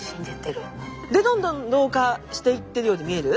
でどんどん老化していってるように見える。